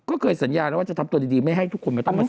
ก็เคยสัญญาแล้วว่าจะทำตรงดีไม่ให้ทุกคนมาต้องเสร็จ